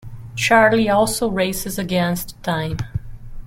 Charlie also races against time.